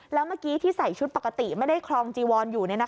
แล้วเมื่อกี้ที่ใส่ชุดปกติไม่ได้ครองจีวอนอยู่